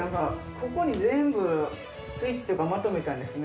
ここに全部スイッチとかまとめたんですね。